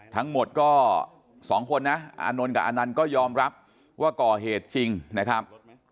ทั้งหมดก็๒คนนะอานนท์กับอานันต์ก็ยอมรับว่าก่อเหตุจริงนะครับ